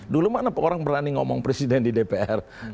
dulu mana orang berani ngomong presiden di dpr